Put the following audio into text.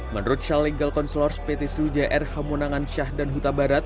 menurut syal legal consulors pt sriwijaya air hamonangan syah dan huta barat